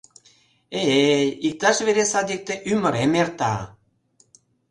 Э-эй, иктаж вере садикте ӱмырем эрта!